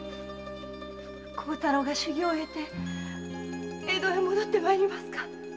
孝太郎が修行を終えて江戸へ戻って参りますか〕